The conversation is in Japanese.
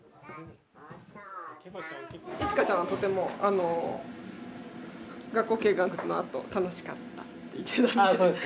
いちかちゃんはとても学校見学のあと「楽しかった」って言ってたので。